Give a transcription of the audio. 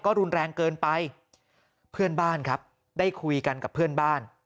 ก็รุนแรงเกินไปเพื่อนบ้านครับได้คุยกันกับเพื่อนบ้าน